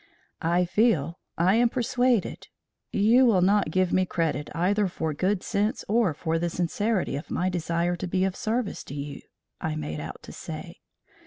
"I feel I am persuaded you will not give me credit either for good sense or for the sincerity of my desire to be of service to you," I made out to say.